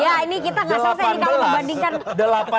ya ini kita gak selesai ini kalau dibandingkan